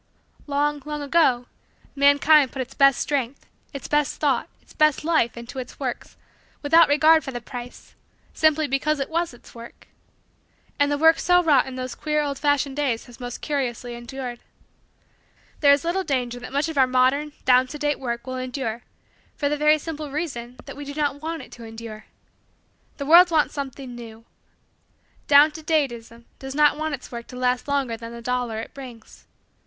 Long, long, ago mankind put its best strength, its best thought, its best life, into its works, without regard for the price, simply because it was its work. And the work so wrought in those queer old fashioned days has most curiously endured. There is little danger that much of our modern, down to date work will endure for the very simple reason that we do not want it to endure. "The world wants something new." Down to date ism does not want its work to last longer than the dollar it brings.